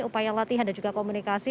upaya latihan dan juga komunikasi